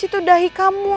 itu dahi kamu